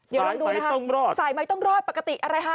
ใส่ไม้ต้องรอดใส่ไม้ต้องรอดปกติอะไรฮะ